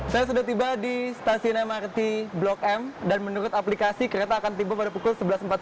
saya sudah tiba di stasiun mrt blok m dan menurut aplikasi kereta akan tiba pada pukul sebelas empat puluh